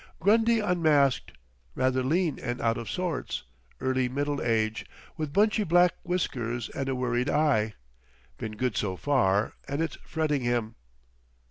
Grundy unmasked. Rather lean and out of sorts. Early middle age. With bunchy black whiskers and a worried eye. Been good so far, and it's fretting him!